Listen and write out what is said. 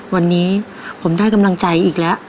วันนี้ผมได้กำลังใจอีกแล้ว